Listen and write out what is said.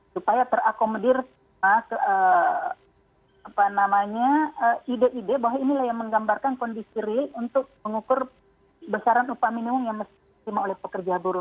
supaya terakomodir ke apa namanya ide ide bahwa inilah yang menggambarkan kondisi real untuk mengukur besaran upah minimum yang disimak oleh pekerja buruh